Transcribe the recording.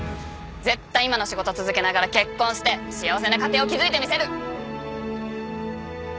絶対今の仕事続けながら結婚して幸せな家庭を築いてみせる！